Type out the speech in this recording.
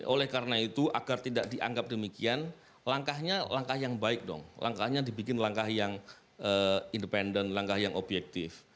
oleh karena itu agar tidak dianggap demikian langkahnya langkah yang baik dong langkahnya dibikin langkah yang independen langkah yang objektif